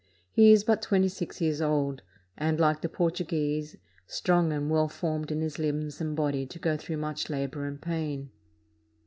He is but twenty six years old, and, like the Portuguese, strong and well formed in his Hmbs and body to go through much labor and pain."